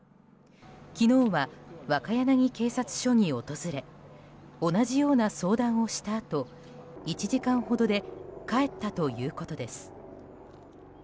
昨日は若柳警察署に訪れ同じような相談をしたあと１時間ほどで帰ったということです。